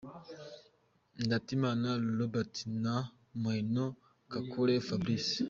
Ndatimana Robert na Mugheno Kakule Fabrice .